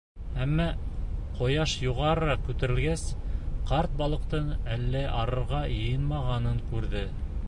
Әммә ҡояш юғарыраҡ күтәрелгәс, ҡарт балыҡтың әле арырға йыйынмағанын күрҙе.